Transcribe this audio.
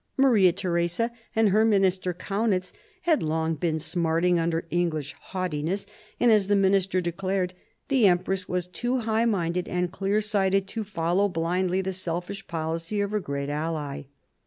Maria Theresa and her minister Kaunitz had long been smarting under English haughtiness, and, as the minister declared, " the empress was too high minded and clear sighted to follow blindly the selfish policy of her great ally."